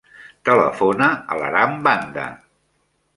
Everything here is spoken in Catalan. Telefona a l'Aram Banda.